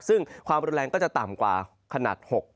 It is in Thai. ซึ่งความรุนแรงก็จะต่ำกว่าขนาด๖